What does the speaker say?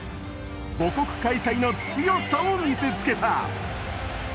母国開催の強さを見せつけた。